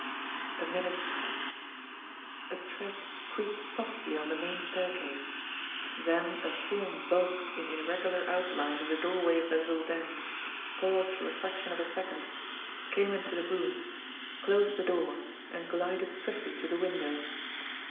A minute passed. A tread creaked softly on the main staircase ; then a form bulked in irregular outline in the door way of the little den, paused for the fraction of a second, came into the room, closed the door, and glided swiftly to the window.